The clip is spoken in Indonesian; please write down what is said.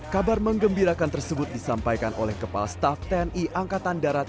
kabar mengembirakan tersebut disampaikan oleh kepala staff tni angkatan darat